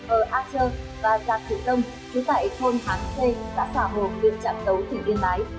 ở a chơ và gia sử tâm chứa tại thôn hán xê đã xả hồn viên trạm tấu tỉnh yên lái